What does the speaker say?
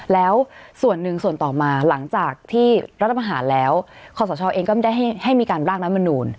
แล้วส่วนหนึ่งส่วนต่อมาหลังจากที่รัฐประหารแล้วขอสชเองก็ไม่ได้ให้มีการร่างรัฐมนูล